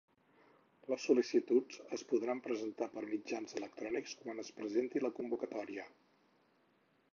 Les sol·licituds es podran presentar per mitjans electrònics quan es presenti la convocatòria.